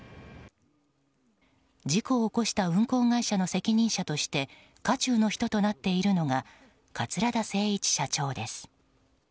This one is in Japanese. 事故を起こした運航会社の責任者として渦中の人となっているのが桂田精一社長です。